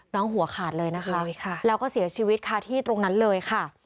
หัวขาดเลยนะคะแล้วก็เสียชีวิตค่ะที่ตรงนั้นเลยค่ะ